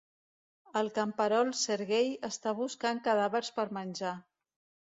El camperol Serguei està buscant cadàvers per menjar.